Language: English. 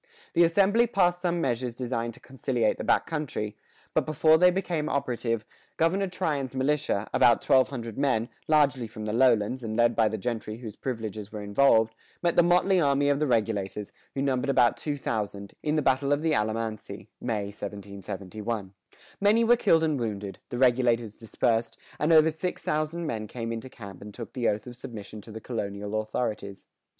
The assembly passed some measures designed to conciliate the back country; but before they became operative, Governor Tryon's militia, about twelve hundred men, largely from the lowlands, and led by the gentry whose privileges were involved, met the motley army of the Regulators, who numbered about two thousand, in the battle of the Alamance (May, 1771). Many were killed and wounded, the Regulators dispersed, and over six thousand men came into camp and took the oath of submission to the colonial authorities.